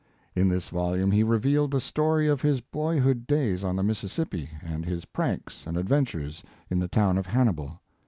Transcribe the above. In this vol ume he revealed the story of his boyhood days on the Mississippi, and his pranks and adventures in the town of Hannibal.